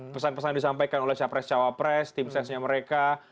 pesan pesan disampaikan oleh capres cawapres tim sesnya mereka